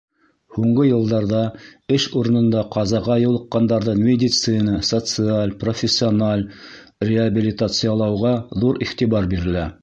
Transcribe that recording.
Һуңғы йылдарҙа эш урынында ҡазаға юлыҡҡандарҙы медицина, социаль, профессиональ реабилитациялауға ҙур иғтибар бирелә.